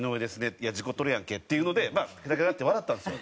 「いや事故っとるやんけ」っていうのでケタケタって笑ったんですよ